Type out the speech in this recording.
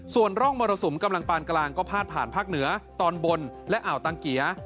ส่วนร่องมรสุมกำลังปานกลางก็พาดผ่านภาคเหนือตอนบนและอ่าวตังเกีย